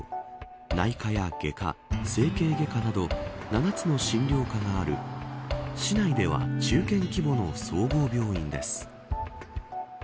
内科や外科、整形外科など７つの診療科がある市内では中堅規模の総合病院です。